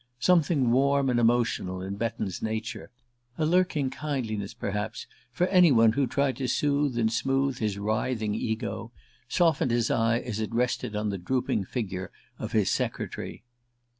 Something warm and emotional in Betton's nature a lurking kindliness, perhaps, for any one who tried to soothe and smooth his writhing ego softened his eye as it rested on the drooping figure of his secretary.